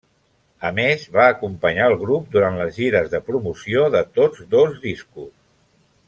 A més, va acompanyar el grup durant les gires de promoció de tots dos discos.